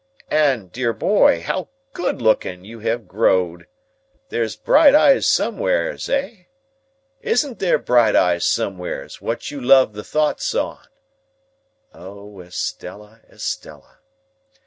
And, dear boy, how good looking you have growed! There's bright eyes somewheres—eh? Isn't there bright eyes somewheres, wot you love the thoughts on?" O Estella, Estella!